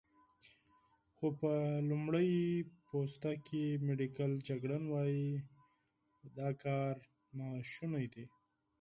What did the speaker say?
خو په لمړی پوسته کې، میډیکل جګړن وايي، دا کار ناشونی دی.